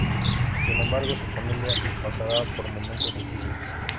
Sin embargo, su familia pasará por momentos difíciles.